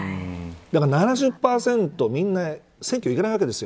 ７０％、みんな選挙入れないわけですよ。